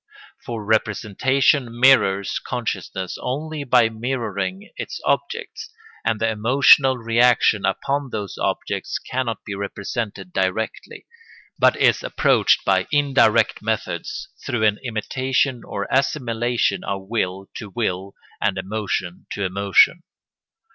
For representation mirrors consciousness only by mirroring its objects, and the emotional reaction upon those objects cannot be represented directly, but is approached by indirect methods, through an imitation or assimilation of will to will and emotion to emotion.